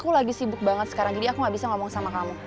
aku lagi sibuk banget sekarang jadi aku gak bisa ngomong sama kamu